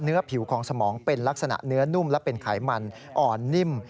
ผิวของสมองเป็นลักษณะเนื้อนุ่มและเป็นไขมันอ่อนนิ่ม